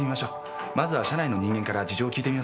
まずは社内の人間から事情を聞いてみます。